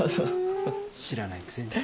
知らないクセに。